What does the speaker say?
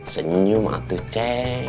senyum atu ceng